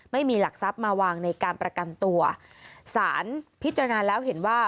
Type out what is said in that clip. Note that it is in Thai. ไม่มีหลักทรัพย์มาวางในการประกันตัวสารพิจารณาแล้วเห็นว่า